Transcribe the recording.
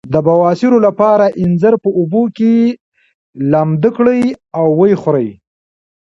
د بواسیر لپاره انځر په اوبو کې لمد کړئ او وخورئ